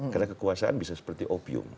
karena kekuasaan bisa seperti opium